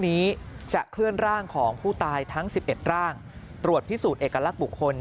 นี้จะเคลื่อนร่างของผู้ตายทั้ง๑๑ร่างตรวจพิสูจน์เอกลักษณ์บุคคล